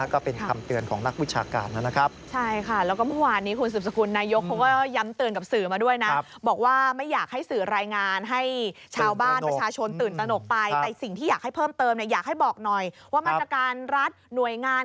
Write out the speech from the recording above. ก็เป็นคำเตือนของนักวิชาการ